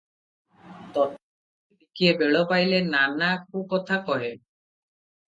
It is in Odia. ତଥାପି ଟିକିଏ ବେଳ ପାଇଲେ ନାନା କୁକଥା କହେ ।